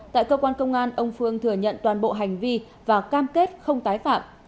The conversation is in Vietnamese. tại cơ quan công an ông phương thừa nhận toàn bộ hành vi và cam kết không tái phạm